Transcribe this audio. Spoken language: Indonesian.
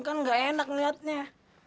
kan enggak enak melihatnya